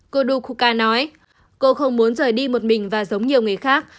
cô dukhuka nói cô không muốn rời đi một mình và giống nhiều người khác